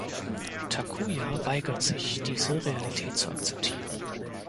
Takuya weigert sich diese Realität zu akzeptieren.